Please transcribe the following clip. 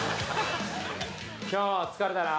今日も疲れたな。